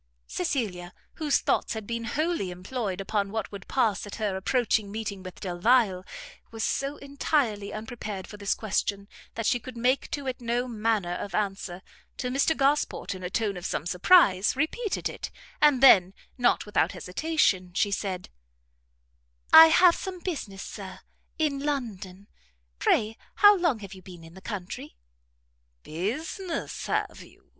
Cecilia, whose thoughts had been wholly employed upon what would pass at her approaching meeting with Delvile, was so entirely unprepared for this question, that she could make to it no manner of answer, till Mr Gosport, in a tone of some surprise, repeated it, and then, not without hesitation, she said, "I have some business, Sir, in London, pray how long have you been in the country?" "Business, have you?"